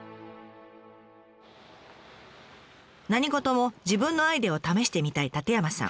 何事も自分のアイデアを試してみたい舘山さん。